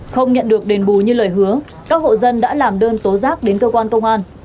không nhận được đền bù như lời hứa các hộ dân đã làm đơn tố giác đến cơ quan công an